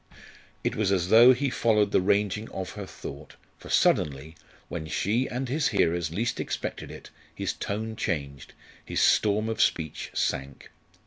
It was as though he followed the ranging of her thought, for suddenly, when she and his hearers least expected it, his tone changed, his storm of speech sank.